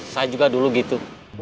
saya juga dulu begitu